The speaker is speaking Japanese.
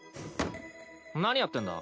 何やってんだ？